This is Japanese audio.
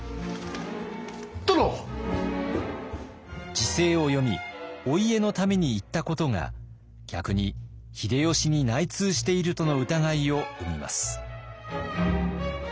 時勢を読みお家のために言ったことが逆に秀吉に内通しているとの疑いを生みます。